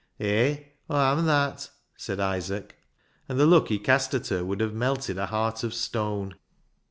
"" Hay, Aw am that," said Isaac, and the look he cast at her would have melted a heart of stone.